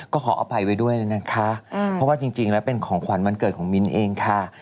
ก็ขออภัยไว้ด้วยนะคะเพราะว่าจริงแล้วเป็นของขวัญวันเกิดของมิ้นเองค่ะ